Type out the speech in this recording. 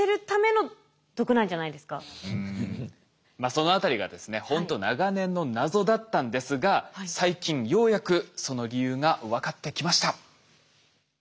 そのあたりがですねほんと長年の謎だったんですが最近ようやくその理由が分かってきました。